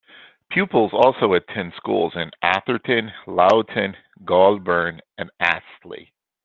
Pupils also attend schools in Atherton, Lowton, Golborne and Astley.